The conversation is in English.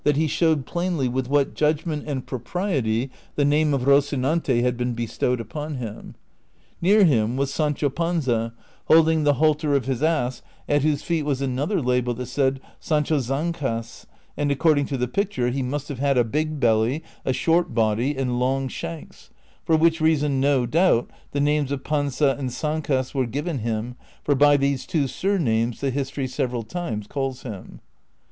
57 he showed plainly with what judgment and propriety the name of Rocinante had been bestowed upon him. Near him was Sancho Panza holding the halter of his ass, at whose feet was another label that said, " Sancho Zancas," and according to the picture, he must have had a big belly, a short body, and long shanks, for which reason, no doubt, the names of Panza and Zancas were given him, for by these two surnames the history several times calls him.